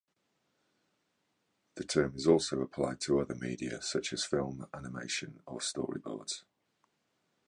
The term is also applied to other media, such as film, animation or storyboards.